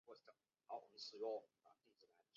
为可爱的观赏鱼。